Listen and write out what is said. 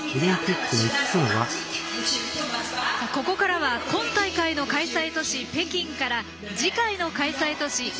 ここからは今大会の開催都市・北京から次回の開催都市